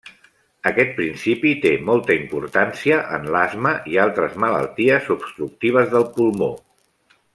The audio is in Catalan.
Aquest principi té molta importància en l'asma i altres malalties obstructives del pulmó.